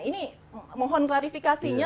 ini mohon klarifikasinya